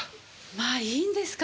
まあいいんですか？